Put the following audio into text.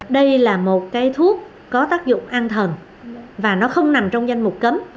đây là một cái thuốc có tác dụng an thần và nó không nằm trong danh mục cấm